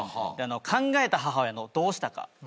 考えた母親のどうしたか。